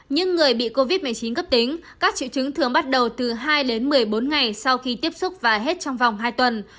những người bị covid một mươi chín cấp tính các triệu chứng thường bắt đầu từ hai đến một mươi bốn ngày sau khi tiếp xúc và hết trong vòng hai tuần